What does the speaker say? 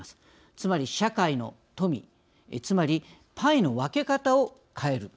つまり社会の富つまりパイの分け方を変える。